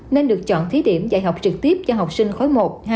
nên được chọn thí điểm dạy học trực tiếp cho học sinh khối một hai sáu chín một mươi hai